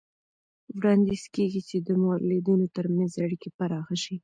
وړاندیز کېږي چې د مؤلدینو ترمنځ اړیکې پراخه شي.